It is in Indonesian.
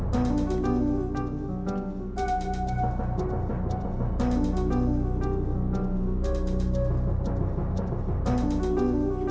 genta kamu sekarang ada di mana